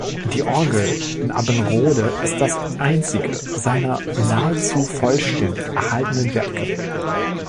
Die Orgel in Abbenrode ist das einzige seiner nahezu vollständig erhaltenen Werke.